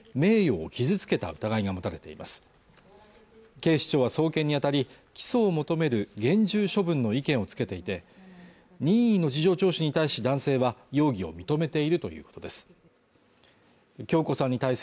警視庁は送検にあたり起訴を求める厳重処分の意見をつけていて任意の事情聴取に対し男性は容疑を認めているということです